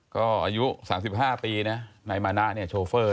ก็อายุ๓๕ปีนายมานะโชเฟอร์